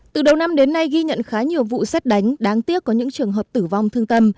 từ đầu năm đến nay ghi nhận khá nhiều vụ xét đánh đáng tiếc có những trường hợp tử vong thương tâm